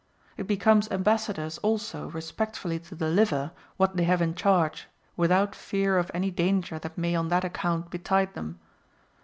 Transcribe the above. It becomes embassadors also respectfully to deliver what they have in charge without fear of any danger that may on that account betide them.